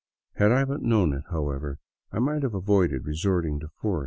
Had I but known it, however, I might have avoided resorting to force.